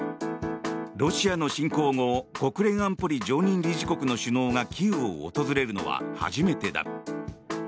ロシアの侵攻後国連安保理常任理事国の首脳がキーウを訪れるのは初めてだ。